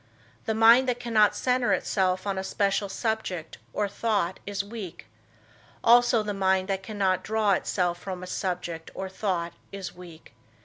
The mind that cannot center itself on a special subject, or thought, is weak; also the mind that cannot draw itself from a subject or thought is weak.